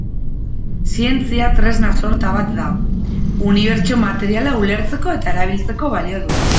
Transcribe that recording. Zientzia tresna-sorta bat da, unibertso materiala ulertzeko eta erabiltzeko balio duena.